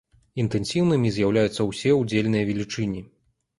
Інтэнсіўнымі з'яўляюцца ўсе удзельныя велічыні.